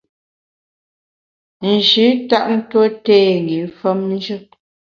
Nji tap tue té i femnjù.